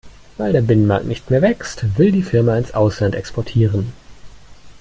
Weil der Binnenmarkt nicht mehr wächst, will die Firma ins Ausland exportieren.